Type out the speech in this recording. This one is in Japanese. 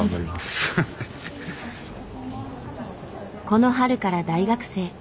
この春から大学生。